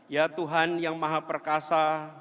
ya tuhan yang maha perkasa